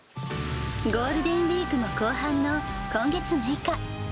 ゴールデンウィークも後半の今月６日。